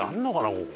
ここ。